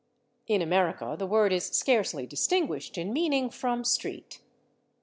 In America the word is scarcely distinguished in meaning from /street